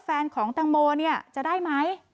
แฟนของแตงโมจะได้ไหม